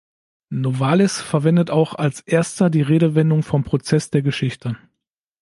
Novalis verwendet auch als Erster die Redewendung vom „Prozeß der Geschichte“.